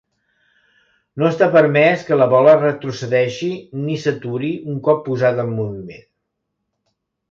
No està permès que la bola retrocedeixi ni s'aturi un cop posada en moviment.